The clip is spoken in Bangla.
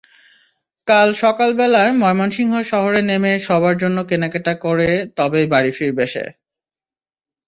কাল সকালবেলা ময়মনসিংহ শহরে নেমে সবার জন্য কেনাকাটা করে তবেই বাড়ি ফিরবে সে।